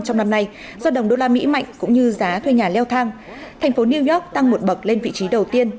trong năm nay do đồng đô la mỹ mạnh cũng như giá thuê nhà leo thang thành phố new york tăng một bậc lên vị trí đầu tiên